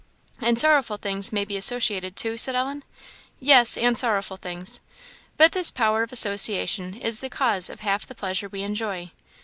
"And sorrowful things may be associated too?" said Ellen. "Yes, and sorrowful things. But this power of association is the cause of half the pleasure we enjoy.